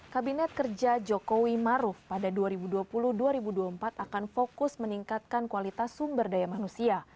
kabinet kerja jokowi maruf pada dua ribu dua puluh dua ribu dua puluh empat akan fokus meningkatkan kualitas sumber daya manusia